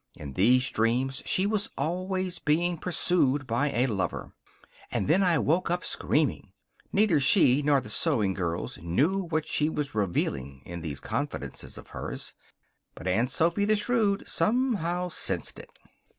In these dreams she was always being pursued by a lover. "And then I woke up, screaming." Neither she nor the sewing girls knew what she was revealing in these confidences of hers. But Aunt Sophy, the shrewd, somehow sensed it.